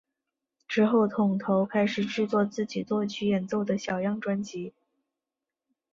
之后桶头开始制作自己作曲演奏的小样专辑。